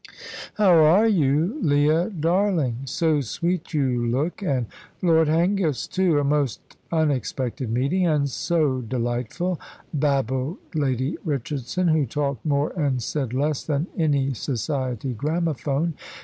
"How are you, Leah darling? So sweet you look, and Lord Hengist too. A most unexpected meeting, and so delightful," babbled Lady Richardson, who talked more and said less than any society gramophone.